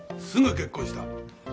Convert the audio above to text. すぐ結婚した！